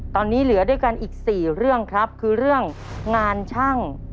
ตอนนี้เหลือด้วยกันอีก๔เรื่องครับคือเรื่องงานช่าง